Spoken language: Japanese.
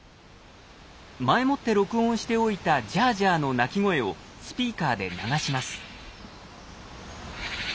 前もって録音しておいた「ジャージャー」の鳴き声をスピーカーで流します。